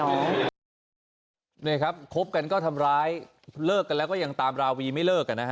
นี่ครับคบกันก็ทำร้ายเลิกกันแล้วก็ยังตามราวีไม่เลิกกันนะฮะ